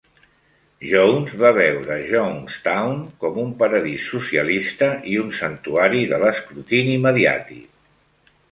Jones va veure Jonestown com un "paradís socialista" i un "santuari" de l'escrutini mediàtic.